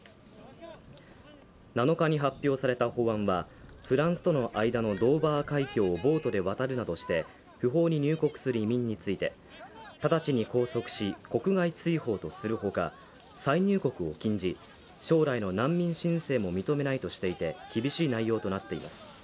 ７日に発表された法案は、フランスとの間のドーバー海峡をボートで渡るなどして不法に入国する移民について直ちに拘束し、国外追放とするほか、再入国を禁じ、将来の難民申請も認めないとしていて、厳しい内容となっています。